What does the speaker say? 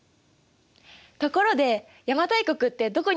ところで邪馬台国ってどこにあったの？